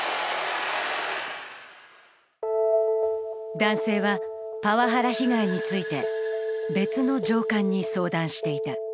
男性はパワハラ被害について、別の上官に相談していた。